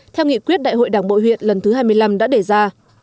theo nghị quyết đại hội đảng bộ huyện lần thứ hai mươi năm đã đề ra